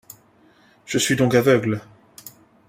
Je suis donc aveugle !